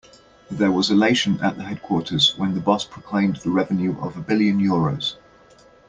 There was elation at the headquarters when the boss proclaimed the revenue of a billion euros.